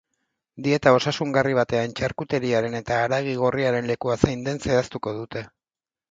Dieta osasungarri batean txarkuteriaren eta haragi gorriaren lekua zein den zehaztuko dute.